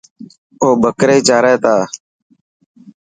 او بڪري چاري تا.